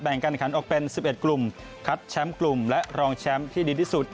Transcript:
การขันออกเป็น๑๑กลุ่มคัดแชมป์กลุ่มและรองแชมป์ที่ดีที่สุด